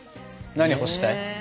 何干したい？